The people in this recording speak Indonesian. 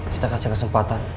kita kasih kesempatan